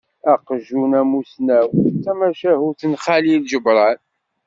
"Aqjun amusnaw", d tamacahut n Xalil Ǧebran.